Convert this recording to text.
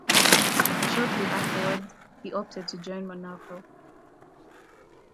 Shortly afterwards, he opted to join Monaco.